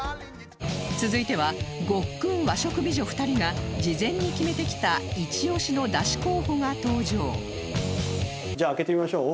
続いてはごっくん和食美女２人が事前に決めてきたじゃあ開けてみましょう。